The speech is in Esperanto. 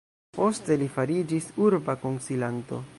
Poste li fariĝis urba konsilanto.